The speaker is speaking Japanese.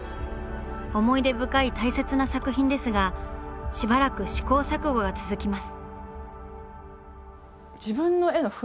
思い出深い大切な作品ですがしばらく試行錯誤が続きます。